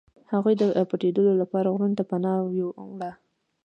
هغوی د پټېدلو لپاره غرونو ته پناه وړي.